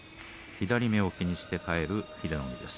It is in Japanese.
左目を気にして帰る英乃海です。